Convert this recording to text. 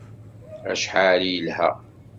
Acḥal i yelha!